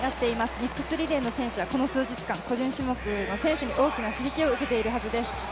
ミックスリレーの選手は個人種目の選手に大きな刺激を受けているはずです。